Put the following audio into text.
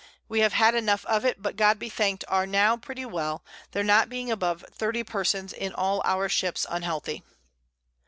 We have had enough of it, but God be thank'd are now pretty well, there not being above 30 Persons in all our Ships unhealthy.